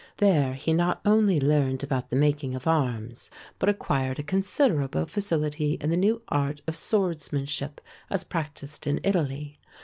There he not only learned about the making of arms but acquired a considerable facility in the new art of swordsmanship as practised in Italy.